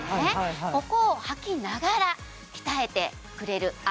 ここをはきながら鍛えてくれる歩